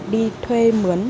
đi thuê mướn